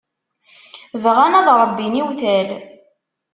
Bɣan ad ṛebbin iwtal.